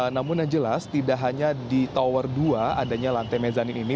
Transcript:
namun yang jelas tidak hanya di tower dua adanya lantai mezanin ini